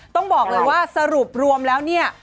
ต้องบอกเลยว่าสรุปรวมแล้วเนี่ย